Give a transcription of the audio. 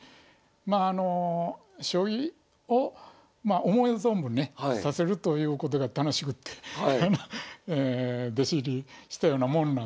まああの将棋を思う存分ね指せるということが楽しくって弟子入りしたようなもんなんで。